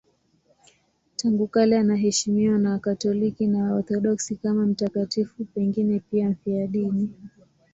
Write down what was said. Tangu kale anaheshimiwa na Wakatoliki na Waorthodoksi kama mtakatifu, pengine pia mfiadini.